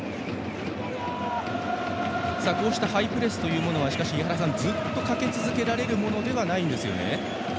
ハイプレスというものはずっとかけ続けられるものではないんですよね。